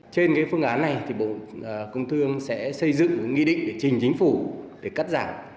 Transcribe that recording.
trên phương án này thì bộ công thương sẽ xây dựng nghị định để trình chính phủ để cắt giảm